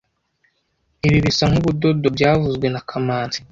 Ibi bisa nkubudodo byavuzwe na kamanzi